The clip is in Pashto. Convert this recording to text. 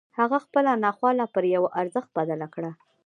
هغه خپله ناخواله پر يوه ارزښت بدله کړه.